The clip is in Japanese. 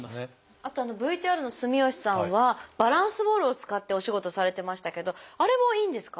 あとＶＴＲの住吉さんはバランスボールを使ってお仕事されてましたけどあれもいいんですか？